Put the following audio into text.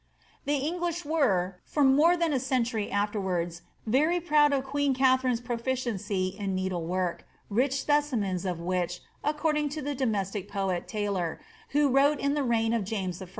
The English were, for more than a century afterwards, very proud of queen KaUiarine's proficiency in needle work, rich specimens of which, according to the domestic poet, Taylor, who wrote in the reign of James I.